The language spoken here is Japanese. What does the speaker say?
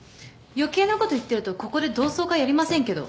余計なこと言ってるとここで同窓会やりませんけど。